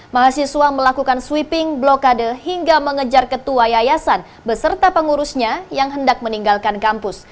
mahasiswa melakukan sweeping blokade hingga mengejar ketua yayasan beserta pengurusnya yang hendak meninggalkan kampus